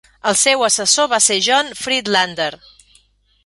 El seu assessor va ser John Friedlander.